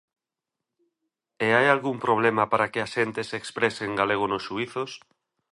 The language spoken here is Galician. E hai algún problema para que a xente se exprese en galego nos xuízos?